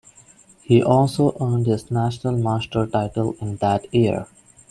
He also earned his National Master title in that year.